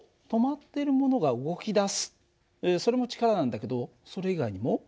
それも力なんだけどそれ以外にも？